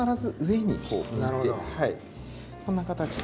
こんな形で。